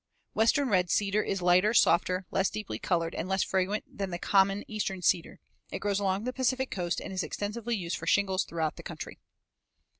Western red cedar is lighter, softer, less deeply colored and less fragrant than the common Eastern cedar. It grows along the Pacific Coast and is extensively used for shingles throughout the country.